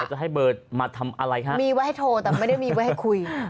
จะให้เบอร์มาทำอะไรคะมีไว้ให้โทรแต่ไม่ได้มีไว้ให้คุย